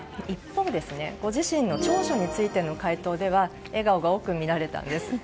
一方、ご自身の長所についての回答では笑顔が多く見られたんです。